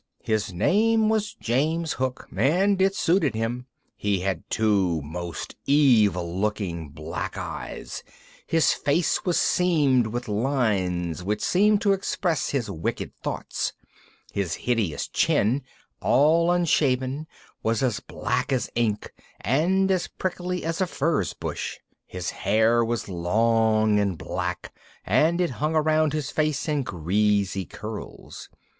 His name was James Hook, and it suited him! He had two most evil looking black eyes, his face was seamed with lines which seemed to express his wicked thoughts, his hideous chin, all unshaven, was as black as ink and as prickly as a furze bush, his hair was long and black, and it hung around his face in greasy curls.